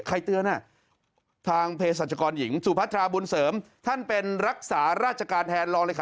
เตือนทางเพศรัชกรหญิงสุพัทราบุญเสริมท่านเป็นรักษาราชการแทนรองเลยค่ะ